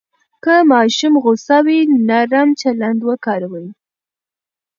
که ماشوم غوسه وي، نرم چلند وکاروئ.